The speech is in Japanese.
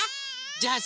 じゃあさ